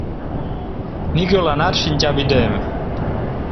Нигӧланат шинчавӱдем